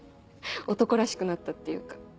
男らしくなったっていうか。